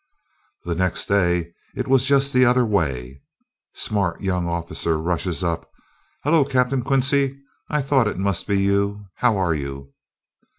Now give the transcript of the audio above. The next day, it was just the other way. Smart young officer rushes up: "Hallo, Captain Quincy! thought it must be you. How are you?"